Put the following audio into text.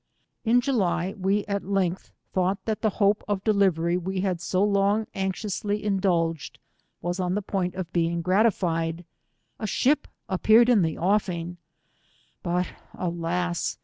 In July we at length thought that the hope of delivery we had so long anxiously indulged, was on the point of being grati&ed. A. ship appeared in the offing; but alas!